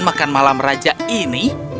makan malam raja ini